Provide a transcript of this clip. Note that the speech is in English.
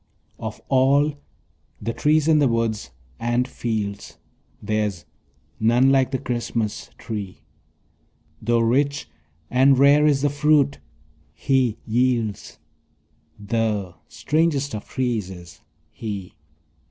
Of all the trees in the woods and fields There's none like the Christmas tree; Tho' rich and rare is the fruit he yields, The strangest of trees is he.